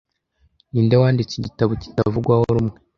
Ninde wanditse igitabo kitavugwaho rumwe